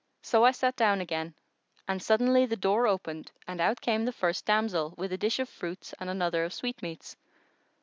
So I sat down again and suddently the door opened and out came the first damsel, with a dish of fruits and another of sweetmeats.